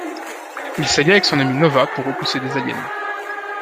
Il s'allia avec son ami Nova pour repousser les aliens.